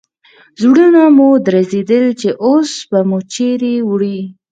زړونه مو درزېدل چې اوس به مو چیرې وړي.